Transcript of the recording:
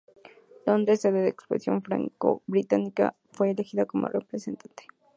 Londres, sede de la Exposición Franco-Británica, fue elegida como reemplazante.